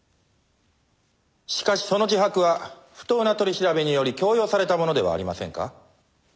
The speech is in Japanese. しかしその自白は不当な取り調べにより強要されたものではありませんか？